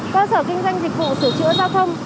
cơ sở kinh doanh dịch vụ sửa chữa giao thông